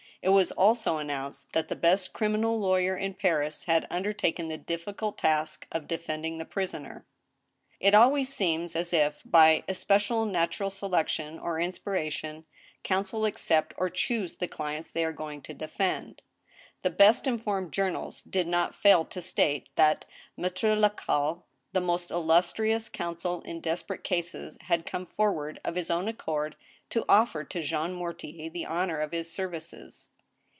It was also announced that the best criminal lawyer in Paris had undertaken the difficult task of defending the prisoner. It always seems as if, by especial natural selection or inspiration, counsel accept or choose the clients they are going to defend. The best informed journals did not fail to state that MaJtre La caille, the most illustrious counsel in desperate cases, had come for ward of his own accord to offer to Jean Mortier the honor of his services.